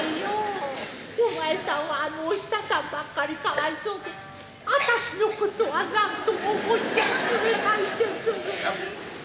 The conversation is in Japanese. お前さんはあのお久さんばっかりかわいそうであたしのことは何とも思っちゃくれないんですね。